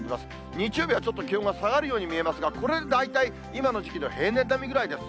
日曜日はちょっと気温が下がるように見えますが、これで大体今の時期の平年並みぐらいです。